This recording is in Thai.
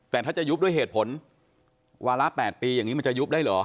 แต่ถ้าจะยุบด้วยเหตุผลวาระ๘ปีอย่างนี้มันจะยุบได้เหรอ